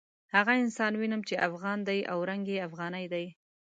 هغه انسان وینم چې افغان دی او رنګ یې افغاني دی.